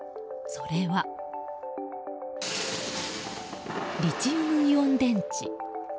それはリチウムイオン電池。